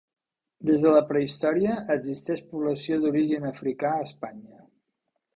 Des de la prehistòria, existeix població d'origen africà a Espanya.